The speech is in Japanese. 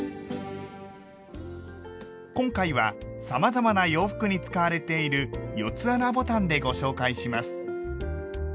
今回はさまざまな洋服に使われている４つ穴ボタンでご紹介します。